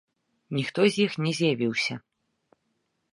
Ніхто з іх не з'явіўся.